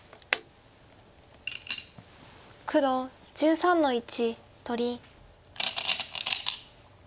黒１３の一取り。